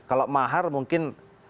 kalau mahar mungkin